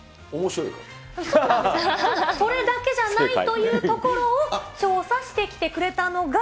それだけじゃないというところを、調査してきてくれたのが。